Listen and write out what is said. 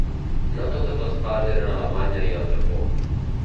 No totes les parts eren a Alemanya i al Japó.